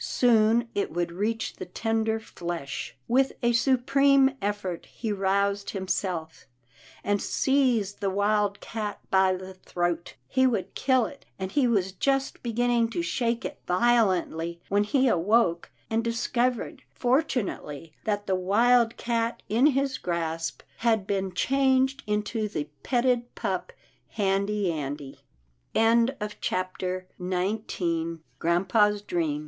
Soon it would reach the tender flesh. With a supreme effort, he roused himself, and GRAMPA'S DREAM 241 seized the wildcat by the throat. He would kill it, and he was just beginning to shake it violently, when he awoke, and discovered fortunately that the wildcat in his grasp had been changed into the petted pup, Handy Andy.